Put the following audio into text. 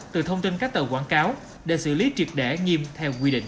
từ thông tin các tờ quảng cáo để xử lý triệt đẻ nghiêm theo quy định